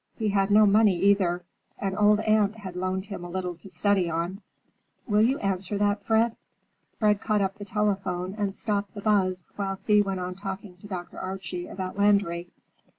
He had no money, either. An old aunt had loaned him a little to study on.—Will you answer that, Fred?" Fred caught up the telephone and stopped the buzz while Thea went on talking to Dr. Archie about Landry.